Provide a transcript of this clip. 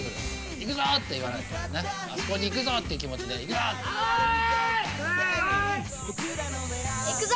いくぞ！って言わないと、あそこにいくぞって気持ちで、いくぞ！